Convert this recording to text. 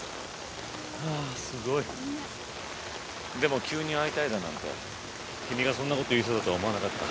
でも急に会いたいだなんて君がそんなこと言う人だとは思わなかった。